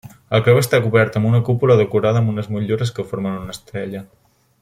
El creuer està cobert amb cúpula decorada amb motllures que formen una estrella.